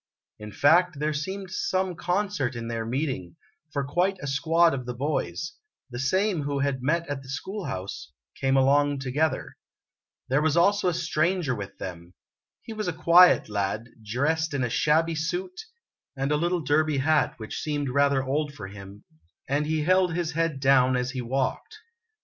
In fact, there seemed some concert in their meeting, for quite a squad of the boys the same who had met at the school house came along together. There was also a stranger with them. He was a quiet lad, dressed in a shabby suit and a little derby hat which seemed rather old for him, and he held his head down as he walked.